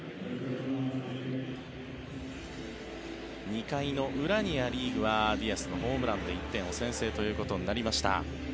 ２回の裏にア・リーグはディアスのホームランで１点先制ということになりました。